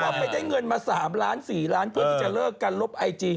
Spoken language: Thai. ก็ไปได้เงินมา๓ล้าน๔ล้านเพื่อที่จะเลิกกันลบไอจี